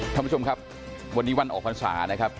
ท่านผู้ชมครับวันนี้วันออกภัณฑ์ศาสตร์นะครับ